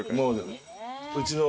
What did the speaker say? うちの。